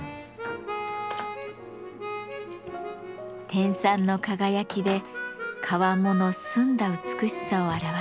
天蚕の輝きで川面の澄んだ美しさを表します。